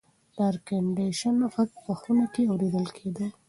د اېرکنډیشن غږ په خونه کې اورېدل کېده.